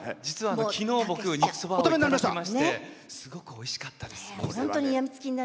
僕、きのういただきましてすごくおいしかったです。